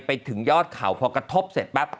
ไปถึงยอดเขาพอกระทบเสร็จปั๊บ